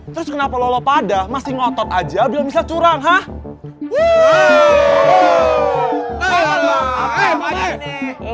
terus kenapa lo pada masih ngotot aja bilang misal curang hah wuih